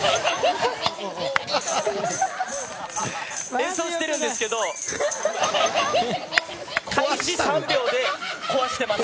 演奏してるんですけど開始３秒で壊しています。